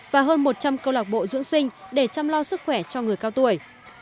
và hơn một trăm linh câu lạc bộ dưỡng sinh để chăm lo sức khỏe cho người cao tuổi